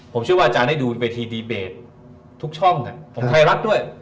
ผมเชื่อว่าอาจารย์ได้ดูเวทีดีเบตทุกช่องของไทยรัฐด้วย